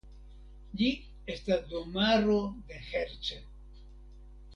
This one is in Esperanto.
Ĝi estis domaro de Herce.